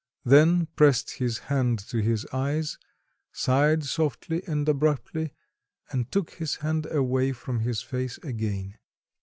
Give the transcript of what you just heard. then pressed his hand to his eyes, sighed softly and abruptly, and took his hand away from his face again.